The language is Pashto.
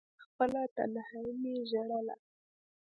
خپله تنهايي مې ژړله…